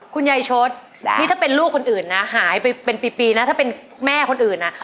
คุณยายชดนี่ถ้าเป็นลูกคนอื่นนะหายไปเป็นปีนะถ้าเป็นแม่คนอื่นนะ